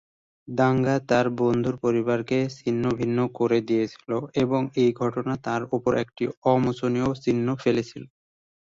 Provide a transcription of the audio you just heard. দাঙ্গা তাঁর বন্ধুর পরিবারকে ছিন্নভিন্ন করে দিয়েছিল এবং এই ঘটনা তাঁর উপর একটি অমোচনীয় চিহ্ন ফেলেছিল।